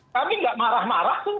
kami tidak marah marah itu